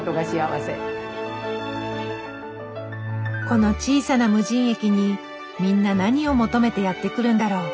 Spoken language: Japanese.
この小さな無人駅にみんな何を求めてやって来るんだろう。